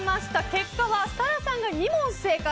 結果は設楽さんが２問正解。